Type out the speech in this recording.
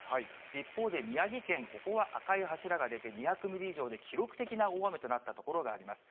一方で宮城県、ここは赤い柱が出て、２００ミリ以上で記録的な大雨となった所があります。